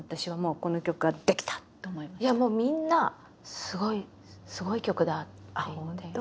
いやもうみんな「すごい！すごい曲だ」って。